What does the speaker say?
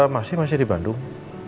masih masih di bandung